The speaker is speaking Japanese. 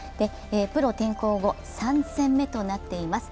プロ転向後３戦目となっています